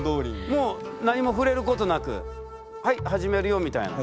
もう何も触れることなくはい始めるよみたいな。